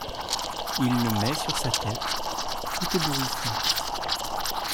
Il le met sur sa tête, tout ébouriffé.